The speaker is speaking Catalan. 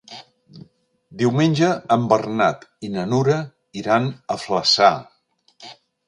Diumenge en Bernat i na Nura iran a Flaçà.